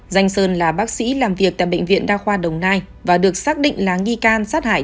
danh sơn là bác sĩ làm việc tại bệnh viện đa khoa đồng nai và được xác định là nghi can sát hại